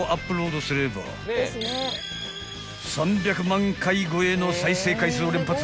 ［３００万回超えの再生回数を連発］